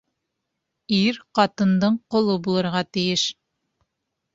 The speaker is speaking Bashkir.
Ир ҡатындың ҡоло булырға тейеш.